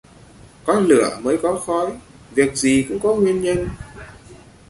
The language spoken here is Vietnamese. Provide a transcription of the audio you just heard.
Có lửa mới có khói: việc gì cũng có nguyên nhân